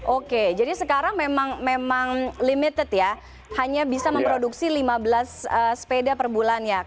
oke jadi sekarang memang limited ya hanya bisa memproduksi lima belas sepeda per bulan ya